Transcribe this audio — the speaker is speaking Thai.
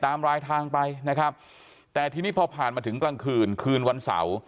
รายทางไปนะครับแต่ทีนี้พอผ่านมาถึงกลางคืนคืนวันเสาร์